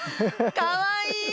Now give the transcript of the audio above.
かわいい！